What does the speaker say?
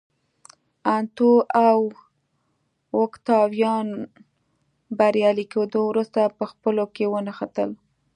انتو او اوکتاویان بریالي کېدو وروسته په خپلو کې ونښتل